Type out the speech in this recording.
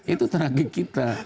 itu tragedi kita